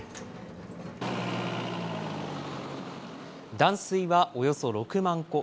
断水はおよそ６万戸。